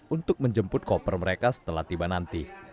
untuk menjemput koper mereka setelah tiba nanti